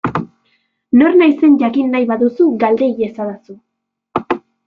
Nor naizen jakin nahi baduzu, galde iezadazu.